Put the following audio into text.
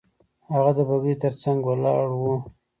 هغه د بګۍ تر څنګ ولاړ وو.